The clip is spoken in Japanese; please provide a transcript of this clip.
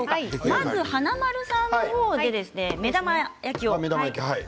まず華丸さんの方で目玉焼きを。